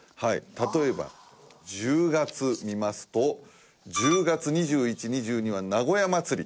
例えば１０月見ますと１０月２１２２は名古屋まつり。